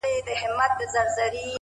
هره ورځ یو نوی درس لري،